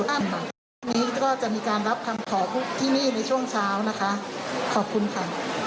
อันนี้ก็จะมีการรับคำขอที่นี่ในช่วงเช้านะคะขอบคุณค่ะ